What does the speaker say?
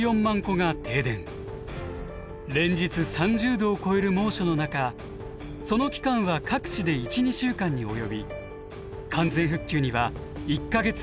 連日３０度を超える猛暑の中その期間は各地で１２週間に及び完全復旧には１か月以上を要しました。